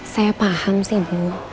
saya paham sih bu